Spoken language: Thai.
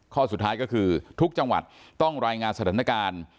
ข้อสุดท้ายก็คือทุกจังหวัดต้องรายงานสถานการณ์